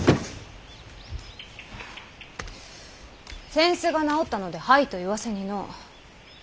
扇子が直ったので「はい」と言わせにの。